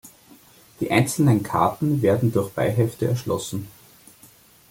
Die einzelnen Karten werden durch Beihefte erschlossen.